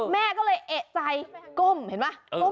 แม่ก็เลยเอกใจก้มเห็นไหม